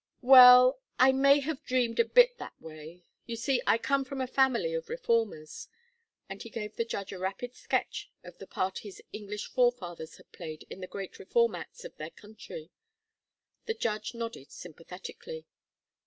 "Well, I may have dreamed a bit that way. You see, I come of a family of reformers." And he gave the judge a rapid sketch of the part his English forefathers had played in the great reform acts of their country. The judge nodded sympathetically.